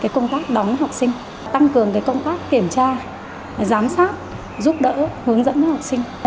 công tác đóng học sinh tăng cường công tác kiểm tra giám sát giúp đỡ hướng dẫn học sinh